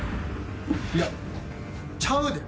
いやちゃうで？